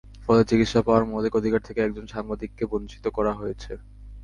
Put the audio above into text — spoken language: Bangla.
ফলে চিকিত্সা পাওয়ার মৌলিক অধিকার থেকে একজন সাংবাদিককে বঞ্চিত করা হয়েছে।